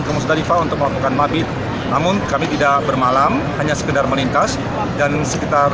ke musdalifah untuk melakukan mabit namun kami tidak bermalam hanya sekedar melintas dan sekitar